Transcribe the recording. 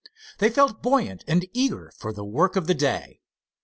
They felt buoyant and eager for the work of the day.